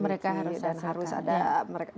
mereka harus ada kegiatan